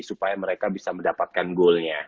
supaya mereka bisa mendapatkan goalnya